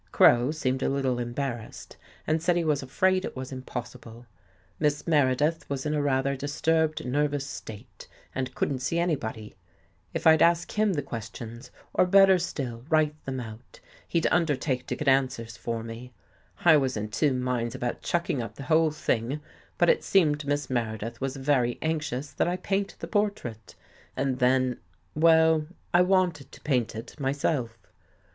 Crow seemed a little embarrassed and said he was afraid it was impossible. Miss Meredith was in a rather disturbed nervous state and couldn't see anybody. 10 WHAT THEY FOUND IN THE ICE If I'd ask him the questions, or better still, write them out, he'd undertake to get answers for me. I was in two minds about chucking up the whole thing, but it seemed Miss Meredith was very anxious that I paint the portrait. And then — well, I wanted to paint it myself."